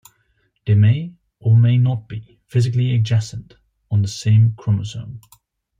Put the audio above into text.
They may or may not be physically adjacent on the same chromosome.